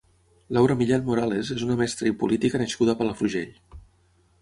Laura Millán Morales és una mestra i política nascuda a Palafrugell.